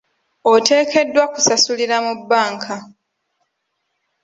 Oteekeddwa kusasulira mu bbanka.